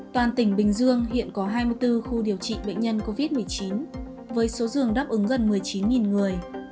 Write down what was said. toàn tỉnh bình dương hiện có hai mươi bốn khu điều trị bệnh nhân covid một mươi chín với số giường đáp ứng gần một mươi chín người